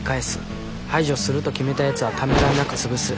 排除すると決めたやつはためらいなく潰す。